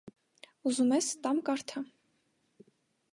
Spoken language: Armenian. Ուզում ես, տամ կարդա: